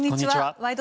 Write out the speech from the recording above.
「ワイド！